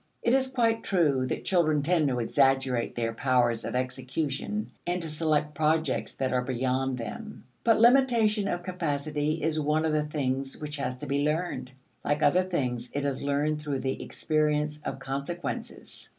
It is quite true that children tend to exaggerate their powers of execution and to select projects that are beyond them. But limitation of capacity is one of the things which has to be learned; like other things, it is learned through the experience of consequences.